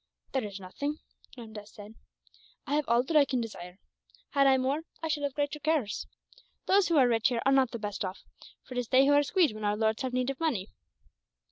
"There is nothing," Ramdass said. "I have all that I can desire. Had I more, I should have greater cares. Those who are rich here are not the best off, for it is they who are squeezed when our lords have need of money.